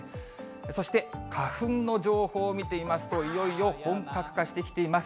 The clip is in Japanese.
そして花粉の情報見てみますと、いよいよ本格化してきています。